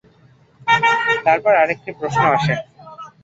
তারপর আর একটি প্রশ্ন আসে।